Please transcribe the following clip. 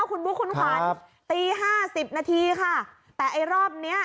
คุณบุ๊คคุณขวัญตีห้าสิบนาทีค่ะแต่ไอ้รอบเนี้ย